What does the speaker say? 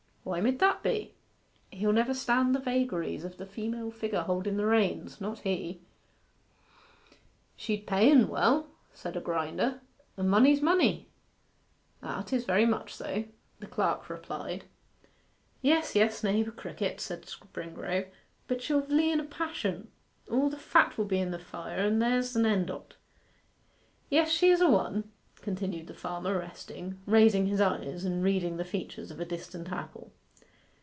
'Why mid that be?' 'He'll never stand the vagaries of the female figure holden the reins not he.' 'She d' pay en well,' said a grinder; 'and money's money.' 'Ah 'tis: very much so,' the clerk replied. 'Yes, yes, naibour Crickett,' said Springrove, 'but she'll vlee in a passion all the fat will be in the fire and there's an end o't.... Yes, she is a one,' continued the farmer, resting, raising his eyes, and reading the features of a distant apple.